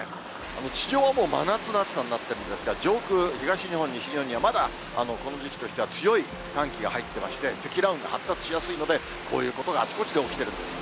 地上は真夏の暑さになっているんですが、上空東日本、西日本にはまだこの時期としては強い寒気が入ってまして、積乱雲が発達しやすいので、こういうことがあちこちで起きているんです。